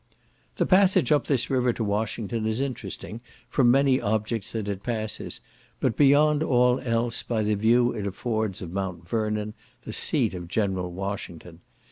The passage up this river to Washington is interesting, from many objects that it passes, but beyond all else, by the view it affords of Mount Vernon, the seat of General Washington.